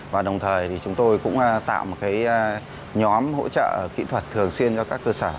và đồng thời thì chúng tôi cũng tạo một nhóm hỗ trợ kỹ thuật thường xuyên cho các cơ sở